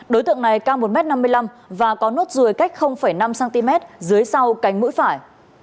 đối tượng này cao một m năm mươi năm và có nốt ruồi cách năm cm dưới sau cánh mũi phải